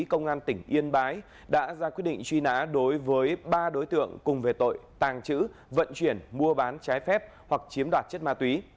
công an tỉnh yên bái đã ra quyết định truy nã đối với ba đối tượng cùng về tội tàng trữ vận chuyển mua bán trái phép hoặc chiếm đoạt chất ma túy